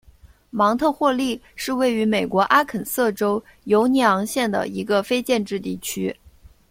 芒特霍利是位于美国阿肯色州犹尼昂县的一个非建制地区。